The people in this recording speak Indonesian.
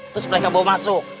terus mereka bawa masuk